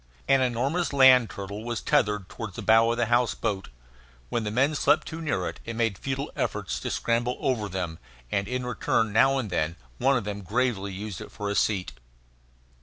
An enormous land turtle was tethered toward the bow of the house boat. When the men slept too near it, it made futile efforts to scramble over them; and in return now and then one of them gravely used it for a seat.